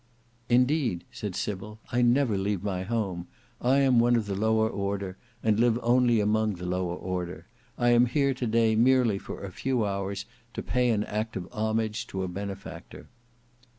"Indeed," said Sybil, "I never leave my home. I am one of the lower order, and live only among the lower order. I am here to day merely for a few hours to pay an act of homage to a benefactor."